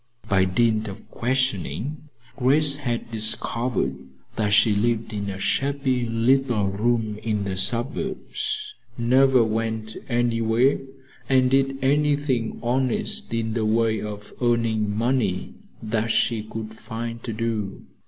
By dint of questioning, Grace had discovered that she lived in a shabby little room in the suburbs, never went anywhere and did anything honest in the way of earning money that she could find to do.